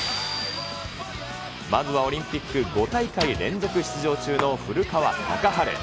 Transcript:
まずはオリンピック５大会連続出場中の古川高晴。